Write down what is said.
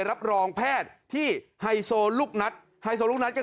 มันโดนก้าวตายที่ไหนไม่โดนนะครับ